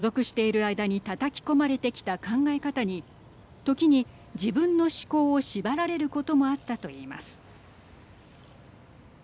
アームストロングさんはＲＴに所属している間にたたき込まれてきた考え方に時に自分の思考を縛られることもあったと言います。